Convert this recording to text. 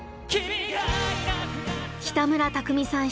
北村匠海さん